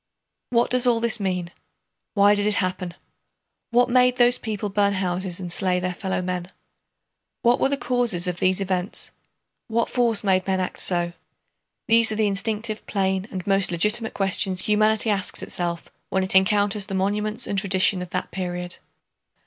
What does all this mean? Why did it happen? What made those people burn houses and slay their fellow men? What were the causes of these events? What force made men act so? These are the instinctive, plain, and most legitimate questions humanity asks itself when it encounters the monuments and tradition of that period.